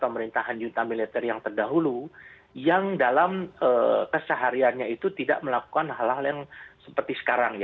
pemerintahan juta militer yang terdahulu yang dalam kesehariannya itu tidak melakukan hal hal yang seperti sekarang